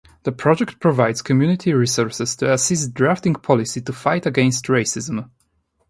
The project provides community resources to assist drafting policy to fight against racism.